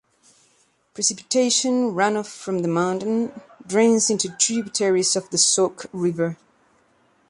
Precipitation runoff from the mountain drains into tributaries of the Sauk River.